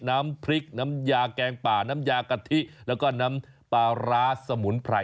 น้ำพริกน้ำยาแกงป่าน้ำยากะทิแล้วก็น้ำปลาร้าสมุนไพร